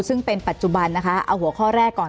ซึ่งเป็นปัจจุบันนะคะเอาหัวข้อแรกก่อน